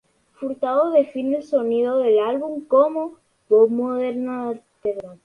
Furtado define el sonido del álbum como "pop moderno alternativo".